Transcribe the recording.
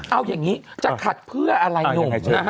เอาอย่างนี้จะขัดเพื่ออะไรหนุ่มนะฮะ